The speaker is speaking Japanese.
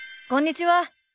こんにちは。